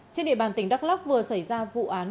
trên địa bàn tỉnh đắk lóc vừa xảy ra vụ án